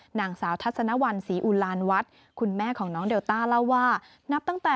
หนังสาวทัศนวันสีอุรานวัฒน์คุณแม่ของน้องเดลต้าเล่าว่า